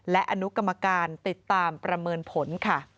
และอนุกรรมการติดตามประเมินผลค่ะ